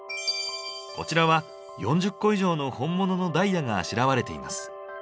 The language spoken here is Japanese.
こちらは４０個以上の本物のダイヤがあしらわれています。